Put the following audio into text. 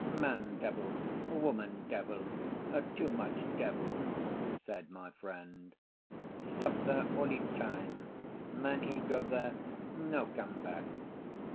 "Man devil, woman devil; too much devil," said my friend. "Stop there all e time. Man he go there, no come back."